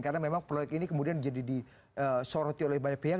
karena memang proyek ini kemudian jadi disoroti oleh banyak pihak